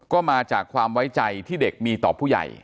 ก็มาจากความไว้ใจที่เด็กมีต่อผู้ใหญ่